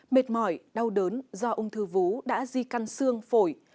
mệt mỏi đau đớn do ung thư vú đã di căn xương phổi